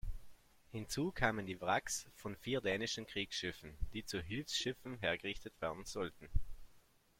Hinzu kamen die Wracks von vier dänischen Kriegsschiffen, die zu Hilfsschiffen hergerichtet werden sollten.